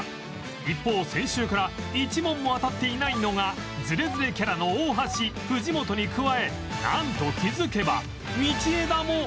一方先週から一問も当たっていないのがズレズレキャラの大橋藤本に加えなんと気づけば道枝も！